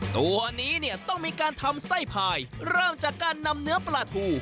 ตัวนี้เนี่ยต้องมีการทำไส้พายเริ่มจากการนำเนื้อปลาทู